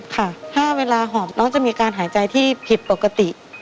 ค่ะถ้าเวลาหอบน้องจะมีการหายใจที่ผิดปกติ